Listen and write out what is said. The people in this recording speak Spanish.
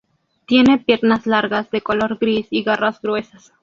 Tiene piernas largas de color gris y garras gruesas.